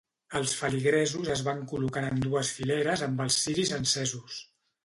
Els feligresos es van col·locant en dues fileres amb els ciris encesos.